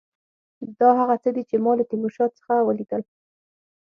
دا هغه څه دي چې ما له تیمورشاه څخه ولیدل.